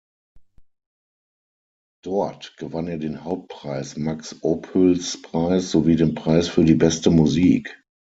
Dort gewann er den Hauptpreis "Max-Ophüls-Preis" sowie den Preis für die beste Musik.